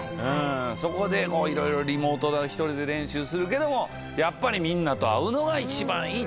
そこでこう色々リモートだ１人で練習するけどもやっぱりみんなと会うのが一番いいという。